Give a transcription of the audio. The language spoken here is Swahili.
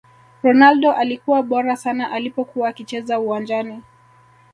Ronaldo alikuwa bora sana alipokuwa akicheza uwanjani